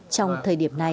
trong thời điểm này